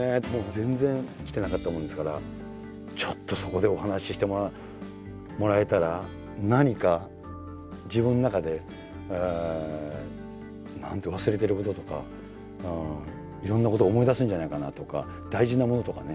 全然来てなかったもんですからちょっとそこでお話ししてもらえたら何か自分の中で何か忘れてることとかいろんなことが思い出せるんじゃないかなとか大事なものとかね